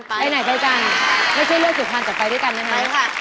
ไปไหนด้วยกันไม่ใช่เลือกสุดท้ายต่อไปด้วยกันได้ไหมครับ